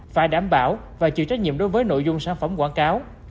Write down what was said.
phải đảm bảo và chịu trách nhiệm đối với nội dung sản phẩm quảng cáo